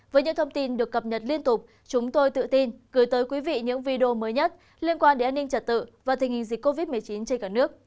với những thông tin được cập nhật liên tục chúng tôi tự tin gửi tới quý vị những video mới nhất liên quan đến an ninh trật tự và tình hình dịch covid một mươi chín trên cả nước